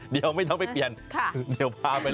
ได้เลยขอเปลี่ยนชุดปั๊บนึง